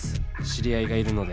「知り合いがいるので。